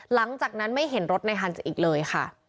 หลังจากนั้นไม่เห็นรถในฮันส์อีกเลยค่ะ